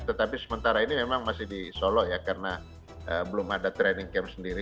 tetapi sementara ini memang masih di solo ya karena belum ada training camp sendiri